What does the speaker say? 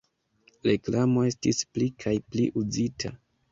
Reklamo estis pli kaj pli uzita.